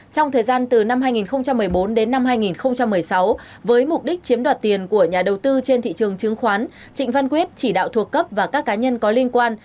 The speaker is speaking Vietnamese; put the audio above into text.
trong thời gian từ năm hai nghìn một mươi bốn đến năm hai nghìn một mươi sáu với mục đích chiếm đoạt tiền của nhà đầu tư trên thị trường chứng khoán trịnh văn quyết chỉ đạo thuộc cấp và các cá nhân có liên quan